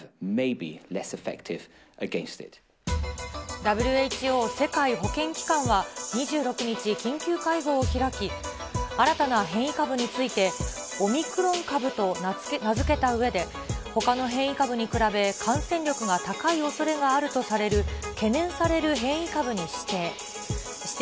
ＷＨＯ・世界保健機関は２６日、緊急会合を開き、新たな変異株について、オミクロン株と名付けたうえで、ほかの変異株に比べ感染力が高いおそれがあるとされる、懸念される変異株に指定。